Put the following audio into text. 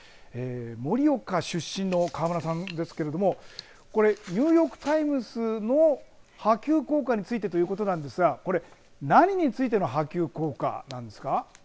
盛岡出身の川村さんですけれどもこれニューヨーク・タイムズの波及効果についてということなんですが何についての波及効果なんですか。